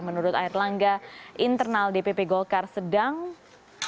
menurut ayerlangga internal dpp golkar sedang berubah